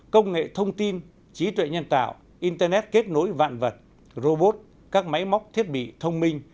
công nghệ thông tin trí tuệ nhân tạo internet kết nối vạn vật robot các máy móc thiết bị thông minh